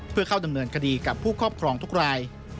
เพื่อเข้าดำเนินคดีกับผู้ครอบครองทุกราย